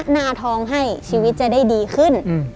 หน้าทองให้ชีวิตจะได้ดีขึ้น